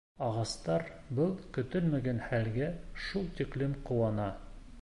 Ағастар был көтөлмәгән хәлгә шул тиклем ҡыуана.